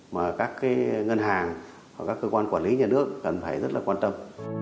mà các ngân hàng hoặc các cơ quan quản lý nhà nước cần phải rất là quan tâm